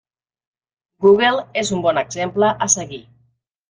Google és un bon exemple a seguir.